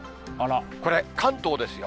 これ、関東ですよ。